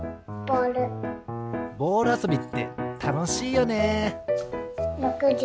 ボールあそびってたのしいよね。